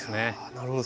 なるほど。